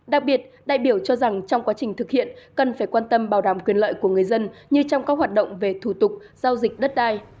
đặc biệt đại biểu cho rằng trong quá trình thực hiện cần phải quan tâm bảo đảm quyền lợi của người dân như trong các hoạt động về thủ tục giao dịch đất đai